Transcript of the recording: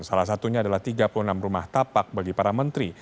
salah satunya adalah tiga puluh enam rumah tapak bagi para menteri